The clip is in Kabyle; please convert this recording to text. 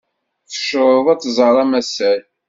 Tecreḍ ad tẓer amasay.